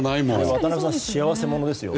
渡辺さん、幸せ者ですよ。